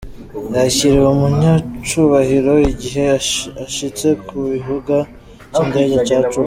Yakiriwe nk'umunyacubahiro igihe ashitse ku kibuga c'indege ca Juba.